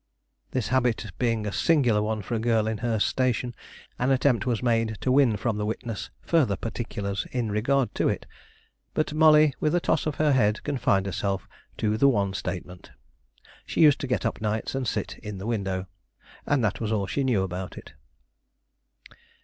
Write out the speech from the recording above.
This habit being a singular one for a girl in her station, an attempt was made to win from the witness further particulars in regard to it. But Molly, with a toss of her head, confined herself to the one statement. She used to get up nights and sit in the window, and that was all she knew about it.